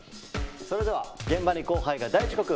それでは現場に後輩が大遅刻！